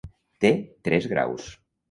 Té tres graus: